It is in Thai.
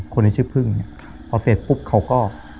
คนชื่อพึ่งพอเสร็จปุ๊บเขาก็